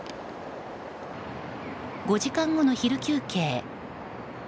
５時間後の昼休憩。